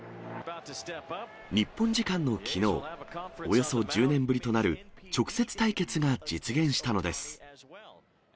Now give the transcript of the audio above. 日本時間のきのう、およそ１０年ぶりとなる直接対決が実現したのです。